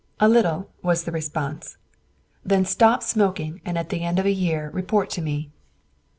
"A little," was the response. "Then stop smoking and at the end of a year report to me."